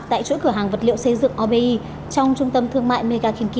tại chuỗi cửa hàng vật liệu xây dựng obi trong trung tâm thương mại megakinki